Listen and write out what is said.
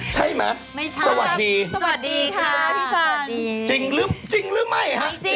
จริงค่ะคุณจักรจันจริงหรือไม่